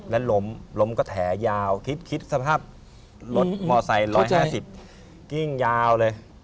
และล้มล้มก็แถยาวคิดสภาพรถมอไซค์๑๕๐กิ้งยาวเลย